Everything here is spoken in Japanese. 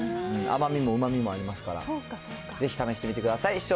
甘みもうまみもありますから、ぜひ試してみてください。